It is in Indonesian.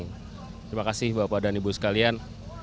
terima kasih bapak dan ibu sekalian